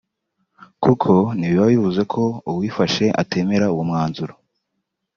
kuko ntibiba bivuze ko uwifashe atemera uwo mwanzuro